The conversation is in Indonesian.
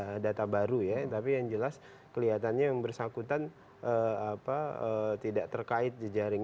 ada data baru ya tapi yang jelas kelihatannya yang bersangkutan tidak terkait jejaring